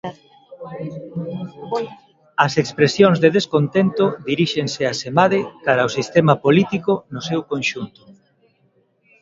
As expresións de descontento diríxense asemade cara ao sistema político no seu conxunto.